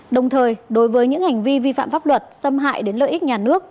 đồng thời đối với những hành vi vi phạm pháp luật xâm hại đến lợi ích nhà nước